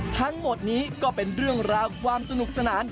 ทั้งหมดนี้ก็เป็นเรื่องราวความสนุกสนาน